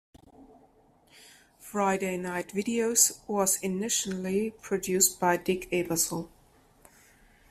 "Friday Night Videos" was initially produced by Dick Ebersol.